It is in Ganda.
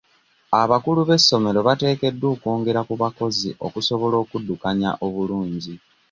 Abakulu b'essomero bateekeddwa okwongera ku bakozi okusobola okuddukanya obulungi.